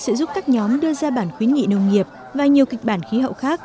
sẽ giúp các nhóm đưa ra bản khuyến nghị nông nghiệp và nhiều kịch bản khí hậu khác